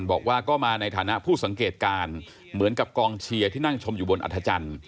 บอกว่าก็มาในฐานะผู้สังเกตการณ์เหมือนกับกองเชียร์ที่นั่งชมอยู่บนอัธจันทร์